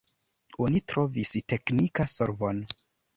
Oni trovis teknika solvon.